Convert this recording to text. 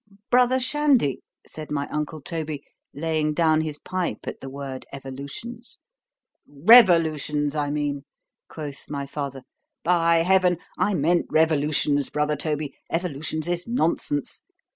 —Brother Shandy, said my uncle Toby, laying down his pipe at the word evolutions—Revolutions, I meant, quoth my father,—by heaven! I meant revolutions, brother Toby—evolutions is nonsense.